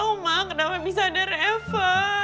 aku gak tau ma kenapa bisa ada reva